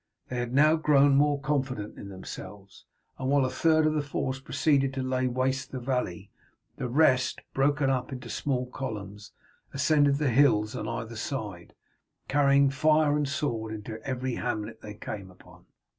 They had now grown more confident in themselves, and while a third of the force proceeded to lay waste the valley, the rest, broken up into small columns, ascended the hills on either side, carrying fire and sword into every hamlet they came upon.